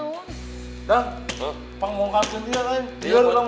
udah penggunaan sendiri ya neng